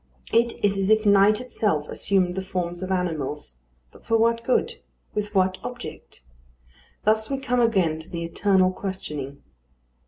It is as if night itself assumed the forms of animals. But for what good? with what object? Thus we come again to the eternal questioning.